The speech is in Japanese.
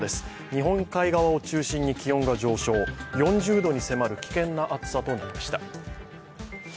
日本海側を中心に気温が上昇、４０度に迫る危険な暑さとなりました。